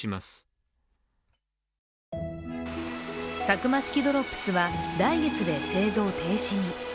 サクマ式ドロップスは来月で製造停止に。